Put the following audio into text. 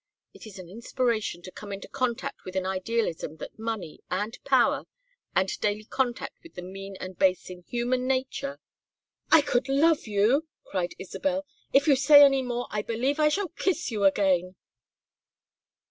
It is an inspiration to come into contact with an idealism that money, and power, and daily contact with the mean and base in human nature " "I could love you!" cried Isabel. "If you say any more, I believe I shall kiss you again."